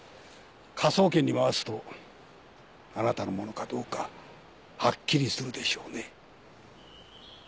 科捜研に回すとあなたのものかどうかはっきりするでしょうね。